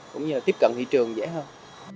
cũng như tiếp cận thị trường dễ hơn